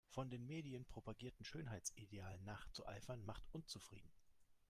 Von den Medien propagierten Schönheitsidealen nachzueifern macht unzufrieden.